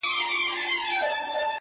• هر حیوان چي به لیدی ورته حیران وو -